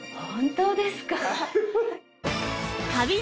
本当ですか？